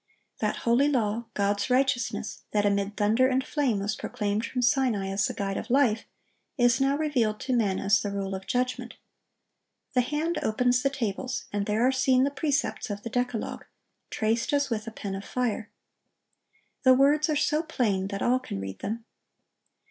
(1101) That holy law, God's righteousness, that amid thunder and flame was proclaimed from Sinai as the guide of life, is now revealed to men as the rule of judgment. The hand opens the tables, and there are seen the precepts of the decalogue, traced as with a pen of fire. The words are so plain that all can read them.